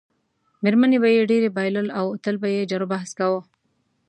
میرمنې به یې ډېری بایلل او تل به یې جروبحث کاوه.